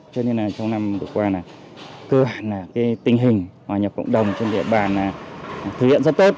cho nên trong năm vừa qua cơ hạn tình hình hòa nhập cộng đồng trên địa bàn thực hiện rất tốt